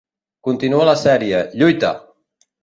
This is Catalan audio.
Continua la sèrie, lluita!